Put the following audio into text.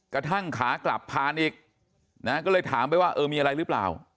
กระทั่งขากลับผ่านอีกนะก็เลยถามไปว่าเออมีอะไรหรือเปล่า